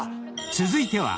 ［続いては］